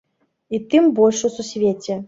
І тым больш у сусвеце.